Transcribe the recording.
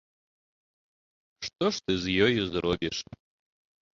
Што ж ты з ёю зробіш.